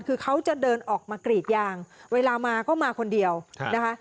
คือเขาจะเดินออกมากรีดยางเวลามาก็มาคนเดียวนะคะ